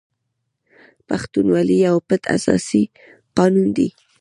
پښتونولي یو پټ اساسي قانون دی.